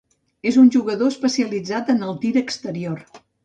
És un jugador especialitzat en el tir exterior.